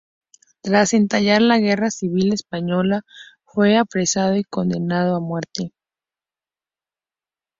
Tras estallar la Guerra Civil Española, fue apresado y condenado a muerte.